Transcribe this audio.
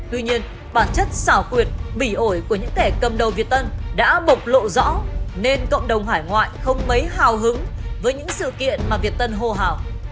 tuy nhiên bản chất xảo quyệt bỉ ổi của những kẻ cầm đầu việt tân đã bộc lộ rõ nên cộng đồng hải ngoại không mấy hào hứng với những sự kiện mà việt tân hô hào